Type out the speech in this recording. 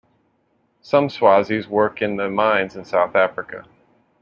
Some Swazis work in the mines in South Africa.